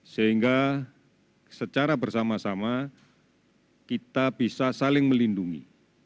sehingga secara bersama sama kita bisa saling melindungi